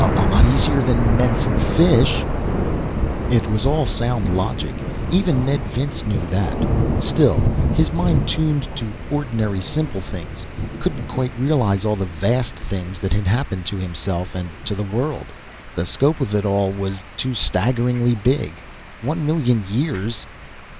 A lot easier than men from fish...." It was all sound logic. Even Ned Vince knew that. Still, his mind, tuned to ordinary, simple things, couldn't quite realize all the vast things that had happened to himself, and to the world. The scope of it all was too staggeringly big. One million years.